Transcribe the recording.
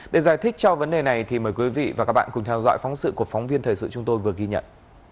để giải thích cho vấn đề này thì mời quý vị và các bạn cùng theo dõi phóng sự của phóng viên thời sự chúng tôi vừa ghi nhận